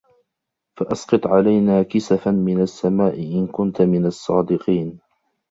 فَأَسقِط عَلَينا كِسَفًا مِنَ السَّماءِ إِن كُنتَ مِنَ الصّادِقينَ